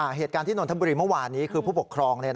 เหตุการณ์ที่นนทบุรีเมื่อวานนี้คือผู้ปกครอง